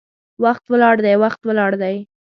وخت ولاړ دی، وخت ولاړ دی